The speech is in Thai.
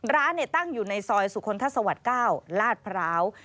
ร้านตั้งอยู่ในซอยสุขนทัศน์สวัสดิ์เก้าลาดพร้าว